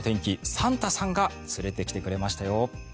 サンタさんが連れてきてくれましたよ。